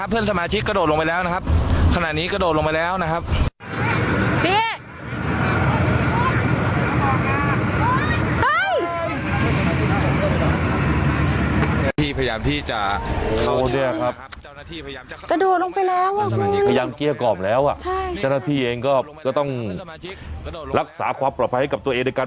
พยายามเกลียกรอบแล้วอ่ะท่านหน้าที่เองก็ต้องรักษาความปลอบภัยให้ตัวเอง